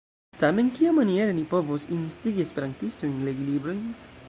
Tamen kiamaniere ni povos instigi esperantistojn legi librojn?